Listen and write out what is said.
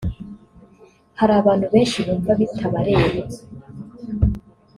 Hari abantu benshi bumva bitabareba